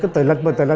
tờ lịch hồi đó